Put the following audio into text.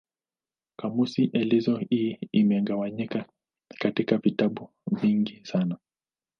Kamusi elezo hii imegawanyika katika vitabu vingi sana.